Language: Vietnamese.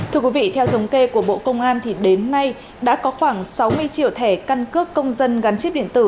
thưa quý vị theo thống kê của bộ công an thì đến nay đã có khoảng sáu mươi triệu thẻ căn cước công dân gắn chip điện tử